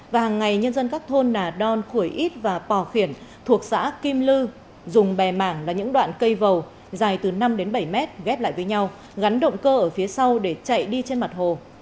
và hàng ngày nhân dân các thôn nà đon khuổi ít và pò khiển thuộc xã kim lư dùng bè mảng là những đoạn cây vầu dài từ năm đến bảy mét ghép lại với nhau gắn động cơ ở phía sau để chạy đi trên mặt hồ